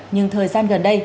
nhưng thời gian gần đây